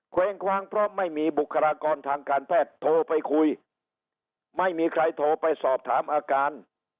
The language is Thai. วงคว้างเพราะไม่มีบุคลากรทางการแพทย์โทรไปคุยไม่มีใครโทรไปสอบถามอาการ